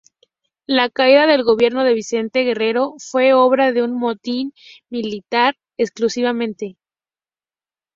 La caída del gobierno de Vicente Guerrero fue obra de un motín militar, exclusivamente.